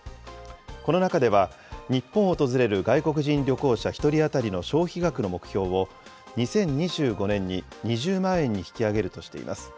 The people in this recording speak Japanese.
この中では、日本を訪れる外国人旅行者１人当たりの消費額の目標を、２０２５年に２０万円に引き上げるとしています。